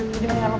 jadi nengar lo pak